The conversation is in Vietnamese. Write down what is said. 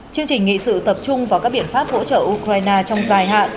chương trình nghị sự tập trung vào các biện pháp hỗ trợ ukraine trong dài hạn